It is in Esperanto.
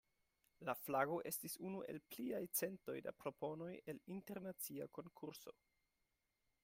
La flago estis unu el pliaj centoj da proponoj el internacia konkurso.